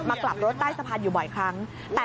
กลับรถใต้สะพานอยู่บ่อยครั้ง